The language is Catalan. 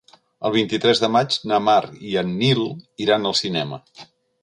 El vint-i-tres de maig na Mar i en Nil iran al cinema.